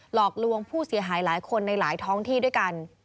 หลอกลวงผู้เสียหายหลายคนในหลายท้องที่ด้วยกัน